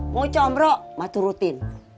mau comrok emak turutin